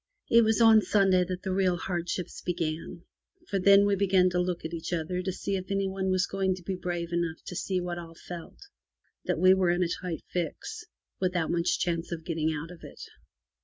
It was on Sunday that the real hardships began, for then we began to look at each other to see if anyone were going to be brave enough to say what all felt — that we were in a tight fix, without much chance of getting out of it.